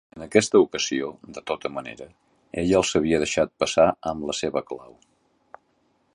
En aquesta ocasió, de tota manera, ella els havia deixat passar amb la seva clau.